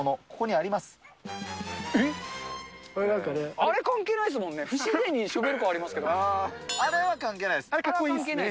あれ、関係ないですもんね。